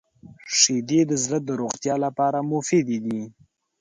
• شیدې د زړه د روغتیا لپاره مفید دي.